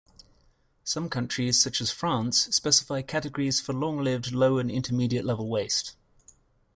Some countries, such as France, specify categories for long-lived low- and intermediate-level waste.